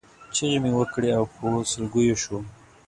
چغې مې وکړې او په سلګیو شوم.